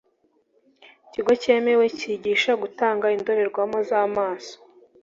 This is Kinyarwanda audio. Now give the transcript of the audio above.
ikigo cyemewe kigisha gutanga indorerwamo z’amaso